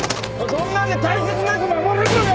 そんなんで大切なやつ守れんのか！？